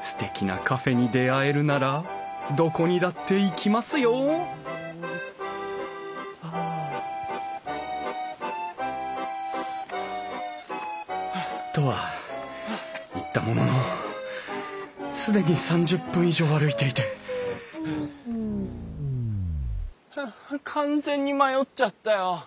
すてきなカフェに出会えるならどこにだって行きますよ！とは言ったものの既に３０分以上歩いていてはあ完全に迷っちゃったよ。